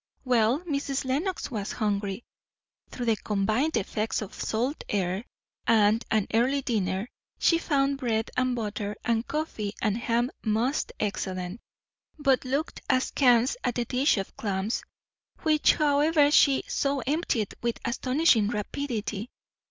Well, Mrs. Lenox was hungry, through the combined effects of salt air and an early dinner; she found bread and butter and coffee and ham most excellent, but looked askance at the dish of clams; which, however, she saw emptied with astonishing rapidity.